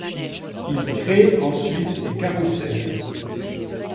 Il crée ensuite des carrousel.